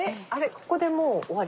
ここでもう終わり。